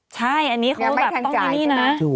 ใช่อันนี้เขาแบบต้องมีหนี้นะ